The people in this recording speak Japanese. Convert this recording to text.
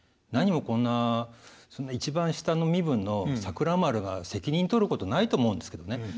なにもこんなそんな一番下の身分の桜丸が責任取ることないと思うんですけどね。